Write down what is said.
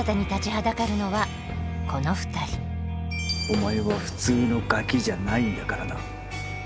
お前は普通のガキじゃないんだからな。